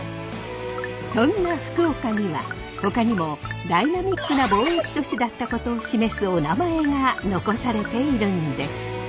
そんな福岡にはほかにもダイナミックな貿易都市だったことを示すお名前が残されているんです。